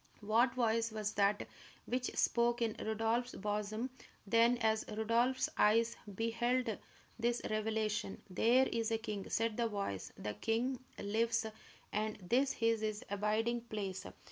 What voice was that which spoke in Rodolph's bosom then as Rodolph's eyes beheld this revelation? "There is a king!" said the voice. "The king lives, and this is his abiding place!"